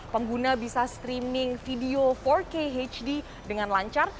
pengguna bisa streaming video empat k hd dengan lancar